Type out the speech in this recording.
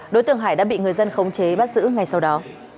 đối tượng hải đã bị người dân khống chế bắt giữ ngay sau đó